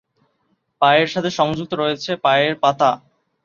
পায়ের সাথে সংযুক্ত রয়েছে পায়ের পাতা।